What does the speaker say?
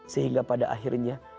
sehingga pada akhirnya